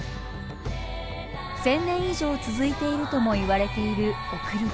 千年以上続いているともいわれている送り火。